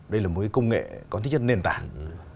đây là một công nghệ có tính chất nền tảng